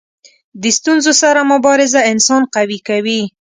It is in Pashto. د ستونزو سره مبارزه انسان قوي کوي.